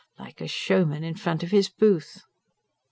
"Like a showman in front of his booth!"